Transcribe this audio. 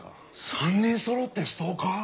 ３人そろってストーカー？